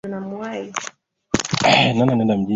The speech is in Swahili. Alikuwa na shughuli nyingi sana.